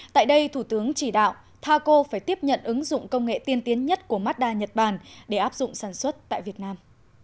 tại đây thủ tướng chỉ đạo taco phải tiếp nhận ứng dụng công nghệ tiên tiến nhất của mazda nhật bản để áp dụng sản xuất tại việt nam